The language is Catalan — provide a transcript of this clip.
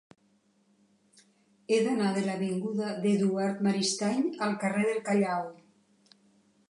He d'anar de l'avinguda d'Eduard Maristany al carrer del Callao.